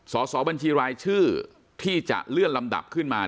สอบบัญชีรายชื่อที่จะเลื่อนลำดับขึ้นมา